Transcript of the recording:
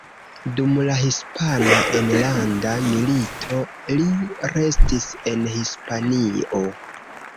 Dum la Hispana Enlanda Milito li restis en Hispanio.